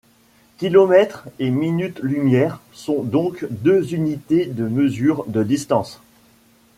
Kilomètres et minutes-lumière sont donc deux unités de mesure de distance.